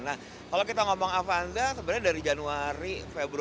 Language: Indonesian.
nah kalau kita ngomong avanza sebenarnya dari januari februari maret kita ada di angka yang lain